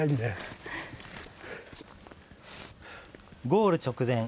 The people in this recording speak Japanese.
ゴール直前。